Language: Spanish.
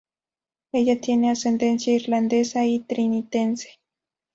Ella tiene ascendencia irlandesa y trinitense.